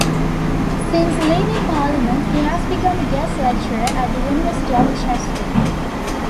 Since leaving Parliament he has become a guest lecturer at the University of Chester.